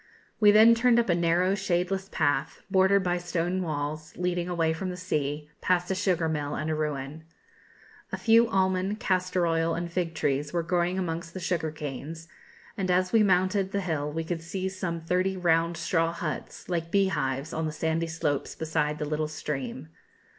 We then turned up a narrow shadeless path, bordered by stone walls, leading away from the sea, past a sugar mill and a ruin. A few almond, castor oil, and fig trees were growing amongst the sugar canes, and as we mounted the hill we could see some thirty round straw huts, like beehives, on the sandy slopes beside the little stream.